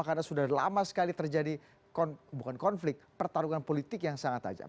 karena sudah lama sekali terjadi bukan konflik pertarungan politik yang sangat tajam